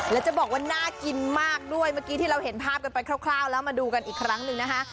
แล้วจะบอกว่าน่ากินมากด้วยเมื่อกี้ที่เราเห็นภาพกันไปคร่าวแล้วมาดูกันอีกครั้งหนึ่งนะคะ